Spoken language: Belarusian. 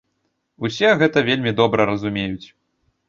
Усе гэта вельмі добра разумеюць.